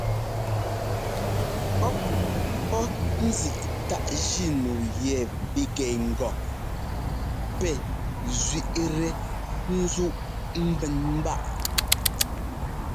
Pɔ́p pɔ́ ńzíꞌ táꞌ jínu yɛ pigɛnɛ ŋgɔ pɛ́ zẅíꞌtɛ ńzúꞌ ḿbɛn ḿbáꞌ.